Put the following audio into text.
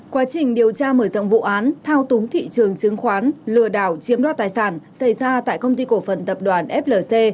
quá trình điều tra mở rộng vụ án thao túng thị trường chứng khoán lừa đảo chiếm đo tài sản xảy ra tại công ty cổ phần tập đoàn flc